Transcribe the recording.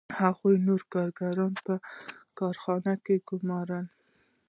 هغه نور کارګران په کارخانه کې ګوماري